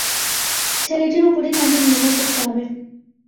ছেলেটির উপরই তাঁকে নির্ভর করতে হবে!